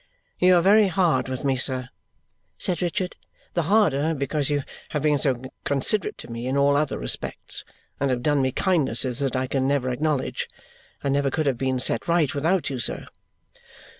"You are very hard with me, sir," said Richard. "The harder because you have been so considerate to me in all other respects and have done me kindnesses that I can never acknowledge. I never could have been set right without you, sir."